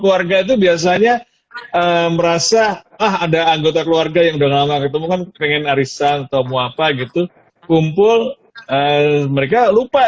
lah ada anggota keluarga yang dengan ketemu kan pengen arisan atau mu apa gitu kumpul mereka lupa